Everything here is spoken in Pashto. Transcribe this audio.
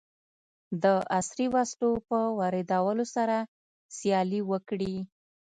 د عصري وسلو په واردولو سره سیالي وکړي.